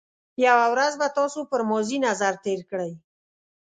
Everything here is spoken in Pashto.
یو ورځ به تاسو پر ماضي نظر تېر کړئ.